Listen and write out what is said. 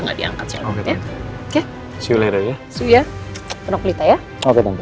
penuh kulit ya oke tante